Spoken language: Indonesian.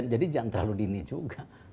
jadi jangan terlalu dini juga